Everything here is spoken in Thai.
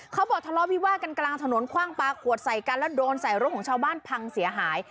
เขาบอกทะเลาะวิวาดกันกลางถนนคว่างปลาขวดใส่กันแล้วโดนใส่รถของชาวบ้านพังเสียหาย